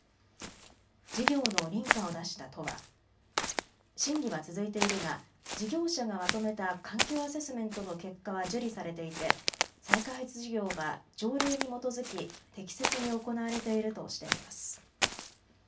事業の認可を出した都は審議は続いているが事業者がまとめた環境アセスメントの結果は受理されていて再開発事業条例に基づき適切に行われているとしています。